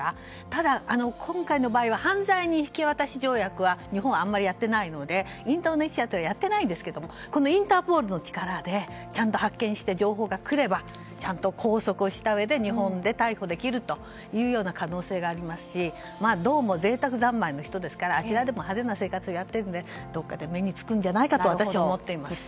ただ、今回の場合は犯罪の引き渡し条約は日本はあまりやっていないのでインドネシアとやっていませんがインターポールの力でちゃんと発見して情報が来ればちゃんと拘束をしたうえで日本で逮捕できる可能性がありますしどうも贅沢三昧の人ですからあちらでも派手な生活をやっているのでどこかで目に付くんじゃないかと私は思ってます。